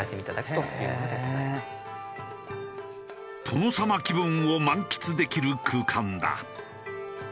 殿様気分を満喫できる空間だ。